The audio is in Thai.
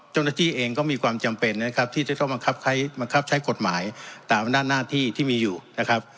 เจ้าหน้าที่เองก็มีความจำเป็นนะครับที่จะต้องบังคับใช้กฎหมายตามอำนาจหน้าที่ที่มีอยู่นะครับ